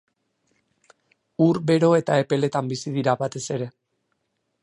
Ur bero eta epeletan bizi dira batez ere.